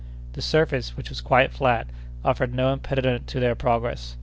The surface, which was quite flat, offered no impediment to their progress.